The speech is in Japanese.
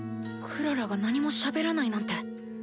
クララが何もしゃべらないなんて。